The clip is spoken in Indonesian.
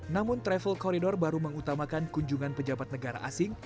namun travel corridor baru mengutamakan kunjungan pejabat negara asing